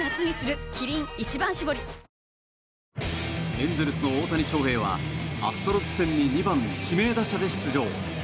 エンゼルスの大谷翔平はアストロズ戦に２番指名打者で出場。